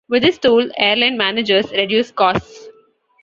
With this tool, airline managers reduce costs.